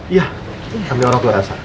iya kami orang tua rasa